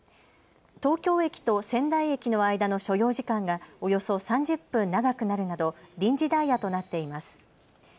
東京駅と仙台駅の間の所要時間がおよそ３０分長くなるなど臨時ダイヤとなっています。